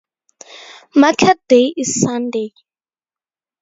Market day is Sunday.